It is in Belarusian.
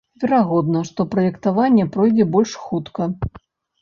Верагодна, што праектаванне пройдзе больш хутка.